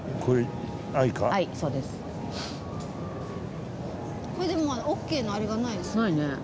これでもオッケーのあれがないですね。